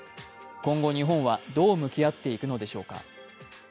今後、日本はどう向き合っていくのでしょうか。